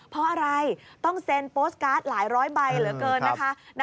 เพราะอะไรต้องเซ็นโปสตการ์ดหลายร้อยใบเหลือเกินนะคะ